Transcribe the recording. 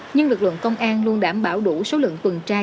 nhưng lực lượng công an luôn đảm bảo đủ số lượng tuần tra